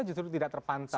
itu sudah tidak terpantau